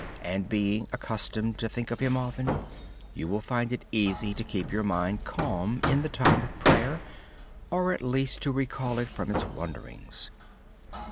Then being accustomed to think of Him often, you will find it easy to keep your mind calm in the time of prayer, or at least to recall it from its wanderings.